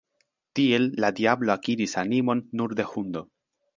Tiel la diablo akiris animon nur de hundo.